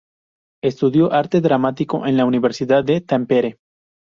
Estudió arte dramático en la Universidad de Tampere.